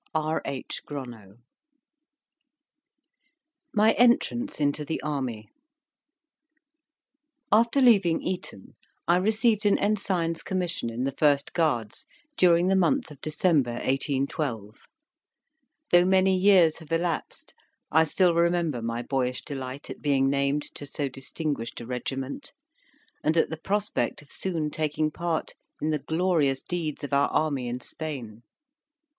R. H. Gronow. MY ENTRANCE INTO THE ARMY After leaving Eton, I received an Ensign's commission in the First Guards during the month of December, 1812. Though many years have elapsed, I still remember my boyish delight at being named to so distinguished a regiment, and at the prospect of soon taking a part in the glorious deeds of our army in Spain.